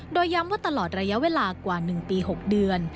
โดยย้ำว่าตลอดระยะเวลากว่า๑ปี๖เดือน